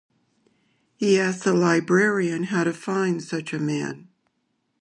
He asked the librarian how to find such a man.